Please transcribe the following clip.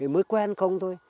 mới quen không thôi